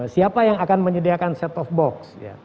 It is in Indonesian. siapa yang akan menyediakan set of box